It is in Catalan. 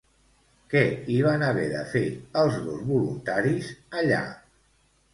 Què hi van haver de fer els dos voluntaris allà?